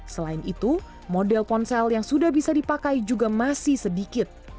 selain itu model ponsel yang sudah bisa dipakai juga masih sedikit